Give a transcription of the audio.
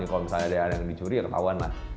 kalau misalnya ada yang dicuri ya ketahuan lah